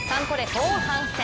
後半戦。